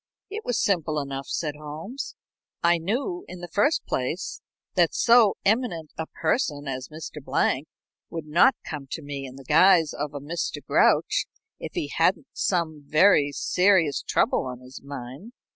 "It was simple enough," said Holmes. "I knew, in the first place, that so eminent a person as Mr. Blank would not come to me in the guise of a Mr. Grouch if he hadn't some very serious trouble on his mind.